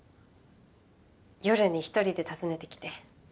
夜に一人で訪ねてきて。